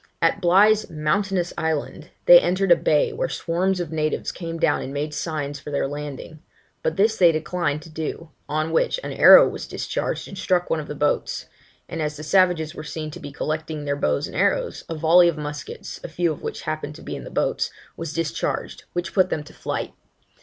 At Bligh's 'Mountainous Island,' they entered a bay where swarms of natives came down and made signs for their landing; but this they declined to do; on which an arrow was discharged and struck one of the boats; and as the savages were seen to be collecting their bows and arrows, a volley of muskets, a few of which happened to be in the boats, was discharged, which put them to flight.